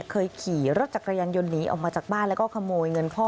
เคยขี่รถจักรยานยนต์หนีออกมาจากบ้านแล้วก็ขโมยเงินพ่อ